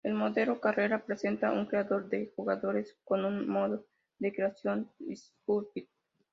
El modo Carrera presenta un creador de jugadores con un modo de creación "Esculpir".